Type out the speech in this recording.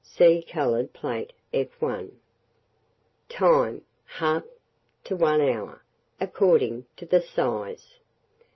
See coloured plate, F1. Time. 1/2 to 1 hour, according to the size.